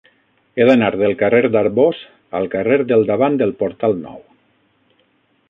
He d'anar del carrer d'Arbós al carrer del Davant del Portal Nou.